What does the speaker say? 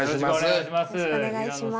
よろしくお願いします。